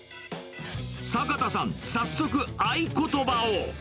坂田さん、早速合言葉を。